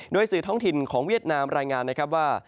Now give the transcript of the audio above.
โดยสื่อท้องถิ่นของเวียดนามรายงานนะครับว่า